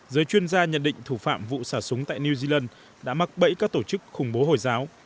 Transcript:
giới chuyên gia nhận định thủ phạm vụ xả súng tại new zealand đã mắc bẫy các tổ chức khủng bố hồi giáo